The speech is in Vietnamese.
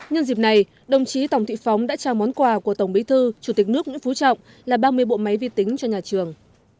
nhân dịp này đồng chí tổng thị phóng đã trao món quà của tổng bí thư chủ tịch nước nguyễn phú trọng là ba mươi bộ máy vi tính cho nhà trường